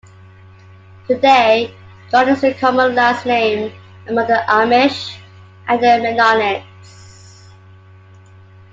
Today, Yoder is a common last name among the Amish and Mennonites.